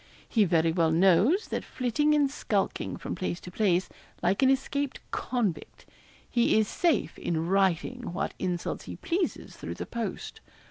He very well knows that flitting and skulking from place to place, like an escaped convict, he is safe in writing what insults he pleases through the post.